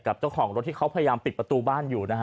กับเจ้าของรถที่พยายามปิดประตูบ้านอยู่